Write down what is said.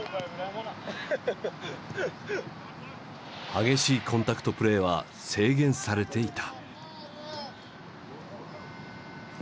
激しいコンタクトプレーは制限されていた。